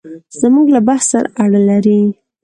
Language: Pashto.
زموږ له بحث سره اړه لري.